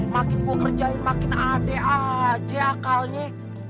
makin gue kerjain makin adek aja akalnya